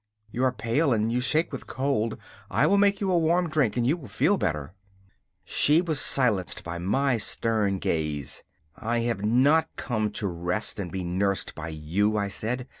You are pale and you shake with cold. I will make you a warm drink and you will feel better.' She was silenced by my stern gaze. 'I have not come to rest and be nursed by you,' I said.